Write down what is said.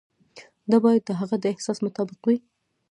دا باید د هغه د احساس مطابق وي.